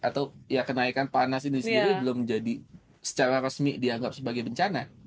atau ya kenaikan panas ini sendiri belum jadi secara resmi dianggap sebagai bencana